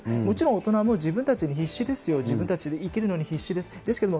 もちろん、大人も自分たちに必死ですよ、自分たちが生きるのに必死です。